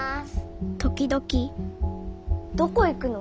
時々どこ行くの？